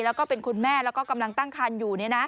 แล้วก็เป็นคุณแม่แล้วก็กำลังตั้งคันอยู่